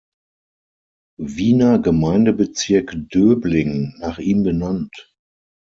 Wiener Gemeindebezirk Döbling nach ihm benannt.